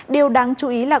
điều đáng chú ý là